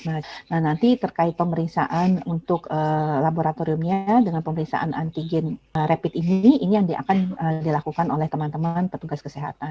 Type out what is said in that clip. nah nanti terkait pemeriksaan untuk laboratoriumnya dengan pemeriksaan antigen rapid ini ini yang akan dilakukan oleh teman teman petugas kesehatan